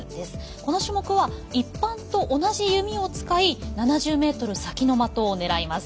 この種目は一般と同じ弓を使い７０ｍ先の的を狙います。